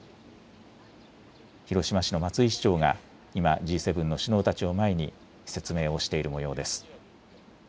広島市の松井市長が今、Ｇ７の首脳たちを前に説明をしているもようです。